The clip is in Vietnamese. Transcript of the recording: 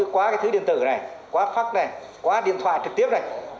quá cái thứ điện tử này quá khắc này quá điện thoại trực tiếp này